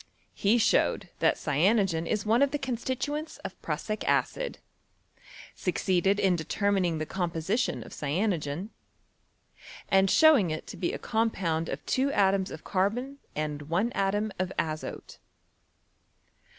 He showed that cyanogen is one of the constituents of prussic acid ; succeeded in determining the composition of cyanogen, and showing it to be a compound of two atoms of carbon and one atom of azote.